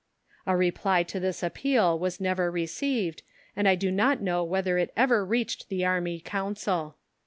A reply to this appeal was never received, and I do not know whether it ever reached the Army Council.